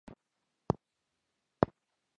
په يوه قالب کې د اتو سلنډرو نصبول امکان نه لري.